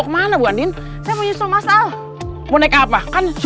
kalau gue maka sudah smoothly